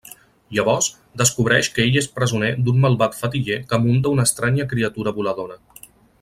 Llavors, descobreix que ell és presoner d'un malvat fetiller que munta una estranya criatura voladora.